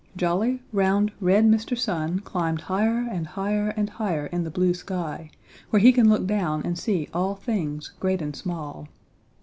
Jolly, round, red Mr. Sun climbed higher and higher and higher in the blue sky, where he can look down and see all things, great and small.